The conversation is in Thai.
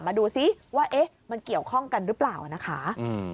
มาดูซิว่าเอ๊ะมันเกี่ยวข้องกันหรือเปล่านะคะ